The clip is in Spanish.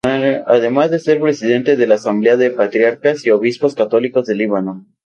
Además de ser Presidente de la Asamblea de Patriarcas y Obispos Católicos de Líbano.